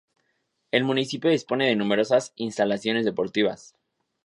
El municipio dispone de numerosas instalaciones deportivas.